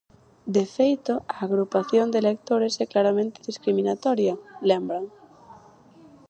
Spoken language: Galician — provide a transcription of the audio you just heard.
De feito, "a agrupación de electores é claramente discriminatoria", lembran.